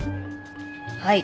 はい。